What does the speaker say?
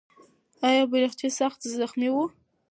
آیا بیرغچی سخت زخمي و؟